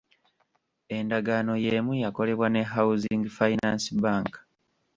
Endagaano yeemu yakolebwa ne Housing Finance Bank.